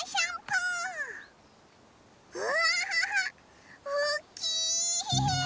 うわおっきい！